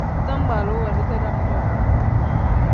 Bitangbaluu we dedee dam-jo.